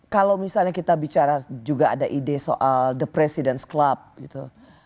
kalau misalnya kita bicara juga ada ide soal the president club gitu